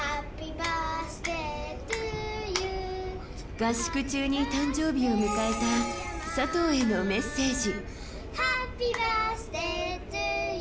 合宿中に誕生日を迎えた佐藤へのメッセージ。